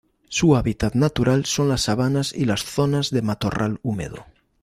Su hábitat natural son las sabanas y las zonas de matorral húmedo.